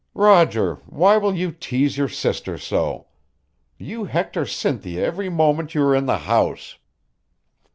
"Roger, why will you tease your sister so? You hector Cynthia every moment you are in the house."